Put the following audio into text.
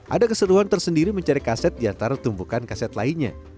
ada keseruan tersendiri mencari kaset diantara tumpukan kaset lainnya